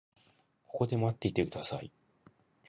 ここで待っていてください。